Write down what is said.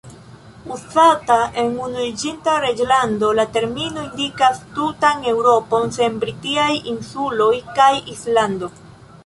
Uzata en Unuiĝinta Reĝlando, la termino indikas tutan Eŭropon, sen Britaj Insuloj kaj Islando.